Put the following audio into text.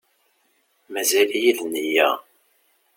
Mazal-iyi d nneyya.